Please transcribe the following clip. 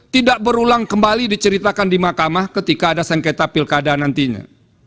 tidak berulang kembali diceritakan di mahkamah ketika ada sengketa pilkada nantinya